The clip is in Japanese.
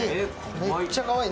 めっちゃかわいい。